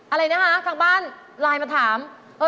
อะไรนะคะทางบ้านไลน์มาถาม